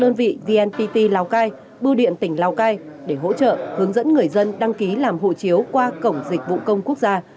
phòng quản lý xuất nhập cảnh công an phối hợp với các đơn vị vnpt lào cai bưu điện tỉnh lào cai để hỗ trợ hướng dẫn người dân đăng ký làm hộ chiếu qua cổng dịch vụ công quốc gia